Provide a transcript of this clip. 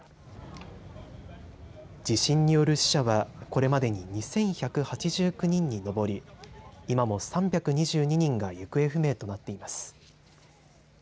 地震による死者は、これまでに２１８９人に上り今も３２２人が行方不明となっています。